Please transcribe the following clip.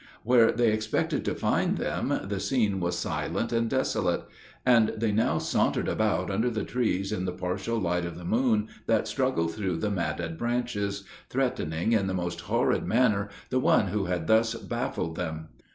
Where they expected to find them, the scene was silent and desolate. And they now sauntered about under the trees in the partial light of the moon that struggled through the matted branches, threatening in the most horrid manner, the one who had thus baffled them.